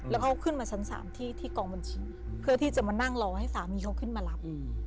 แล้วเขาขึ้นมาชั้น๓ที่กองบัญชีเพื่อที่จะมานั่งรอให้สามีเขาขึ้นมารับ